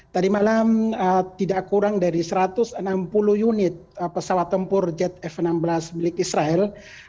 tadi malam tidak kurang dari satu ratus enam puluh unit pesawat tempur jet f enam belas milik israel